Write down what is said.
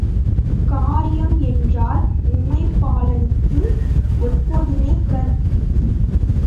காரியம் என்றால் உமைபாலனுக்கு எப்போதுமே கண்.